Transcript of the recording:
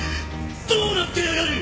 どうなってやがる！？